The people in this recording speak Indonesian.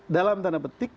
dalam tanda petik